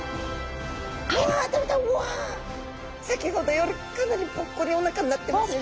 先ほどよりかなりぽっこりおなかになってますよね。